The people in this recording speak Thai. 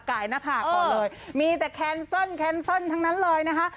ไก่หน้าผากก่อนเลยมีแต่แคนเซิลแคนเซิลทั้งนั้นเลยนะคะ